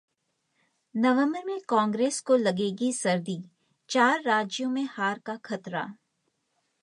नवंबर में कांग्रेस को लगेगी सर्दी, चार राज्यों में हार का खतरा